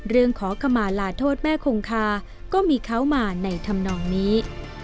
ขอขมาลาโทษแม่คงคาก็มีเขามาในธรรมนองนี้